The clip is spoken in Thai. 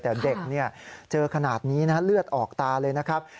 แต่เด็กเจอขนาดนี้เลือดออกตาเลยนะครับ